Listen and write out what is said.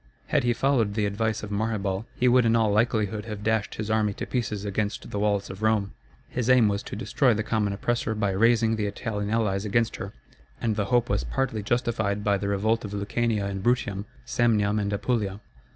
Had he followed the advice of Maherbal, he would in all likelihood have dashed his army to pieces against the walls of Rome. His aim was to destroy the common oppressor by raising the Italian allies against her; and the hope was partly justified by the revolt of Lucania and Bruttium, Samnium and Apulia.